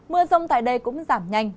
mưa rông tại đây cũng giảm nhanh